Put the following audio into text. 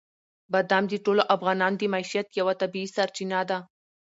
بادام د ټولو افغانانو د معیشت یوه طبیعي سرچینه ده.